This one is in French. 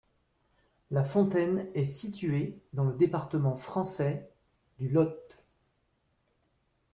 La fontaine est située dans le département français du Lot.